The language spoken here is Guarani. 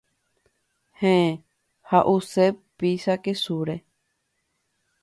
Héẽ, ha’use pizza kesúre.